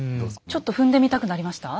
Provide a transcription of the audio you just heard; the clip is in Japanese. ちょっと踏んでみたくなりました？